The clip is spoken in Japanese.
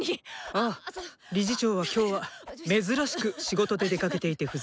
ああ理事長は今日は「珍しく」仕事で出かけていて不在です。